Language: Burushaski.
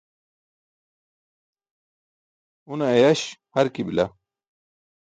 Une ayaś harki bila.